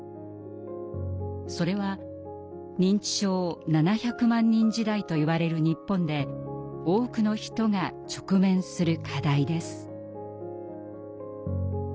それは「認知症７００万人時代」といわれる日本で多くの人が直面する課題です。